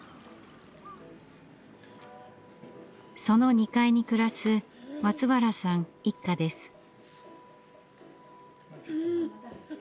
その２階に暮らす松原さん一家です。